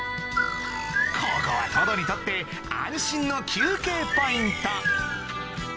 ここはトドにとって安心の休憩ポイント